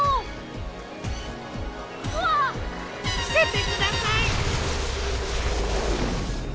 ふせてください。